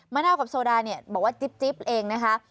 มะนาวกับโซดาบอกว่าจิ๊บเองนะคะ